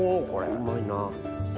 うまいな。